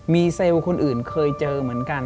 มีเซลล์คนอื่นเคยเจอเหมือนกัน